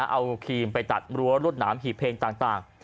เอาครีมไปตัดรั้วรวดหนามหีบเพลงต่าง